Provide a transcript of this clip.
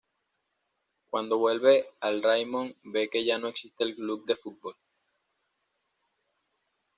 Cuando vuelve al Raimon ve que ya no existe el club de fútbol.